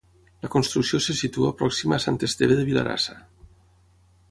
La construcció se situa pròxima a Sant Esteve de Vila-rasa.